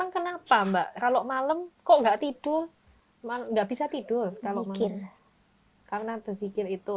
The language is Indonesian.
karena tersikir itu